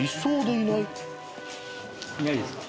いないですか？